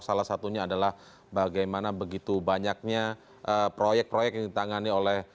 salah satunya adalah bagaimana begitu banyaknya proyek proyek yang ditangani oleh